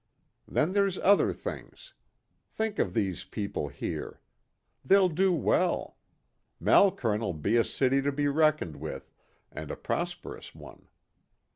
Then there's other things. Think of these people here. They'll do well. Malkern'll be a city to be reckoned with, and a prosperous one.